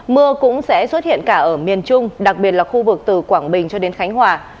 mưa cũng sẽ xuất hiện cả ở miền trung đặc biệt là khu vực từ quảng bình cho đến khánh hòa